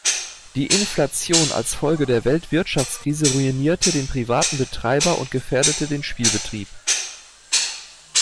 Die Inflation als Folge der Weltwirtschaftskrise ruinierte den privaten Betreiber und gefährdete den Spielbetrieb.